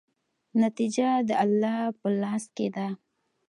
نتیجه د الله په لاس کې ده.